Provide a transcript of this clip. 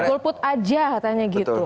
golput aja katanya gitu